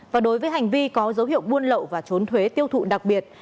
và đối với hành vi có dấu hiệu buôn lậu và trốn thuế tiêu thụ đặc biệt